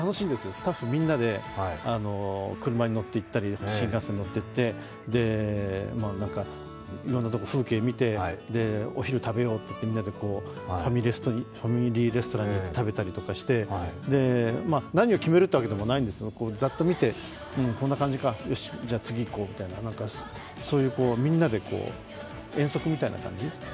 スタッフみんなで車に乗っていったり、新幹線に乗っていって、いろんなところ、風景見てお昼を食べようと言ってファミリーレストランに行って食べたりして何を決めるっていうわけでもないですよ、ざっと見てうん、こんな感じかよし、次いこうみたいな、そういうみんなで遠足みたいな感じ？